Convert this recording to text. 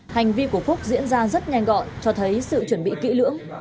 hành vi của phúc diễn ra rất nhanh gọn cho thấy sự chuẩn bị kỹ lưỡng